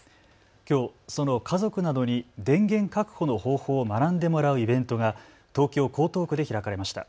きょうその家族などに電源確保の方法を学んでもらうイベントが東京江東区で開かれました。